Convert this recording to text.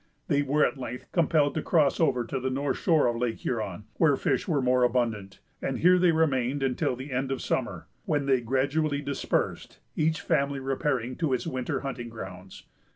They were at length compelled to cross over to the north shore of Lake Huron, where fish were more abundant; and here they remained until the end of summer, when they gradually dispersed, each family repairing to its winter hunting grounds.